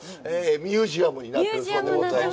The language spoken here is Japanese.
ミュージアムになってるそうでございます。